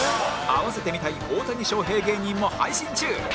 併せて見たい大谷翔平芸人も配信中